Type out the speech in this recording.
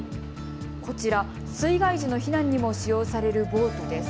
こちら、水害時の避難にも使用されるボートです。